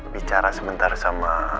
bicara sebentar sama